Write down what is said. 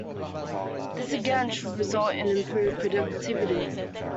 This again should result in improved productivity.